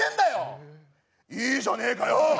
いいじゃねえかよ！